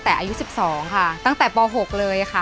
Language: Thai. อายุ๒๔ปีวันนี้บุ๋มนะคะ